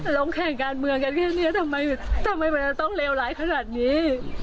ลงแข่งการเมืองกันแค่นี้ทำไมมันจะต้องเลวร้ายขนาดนี้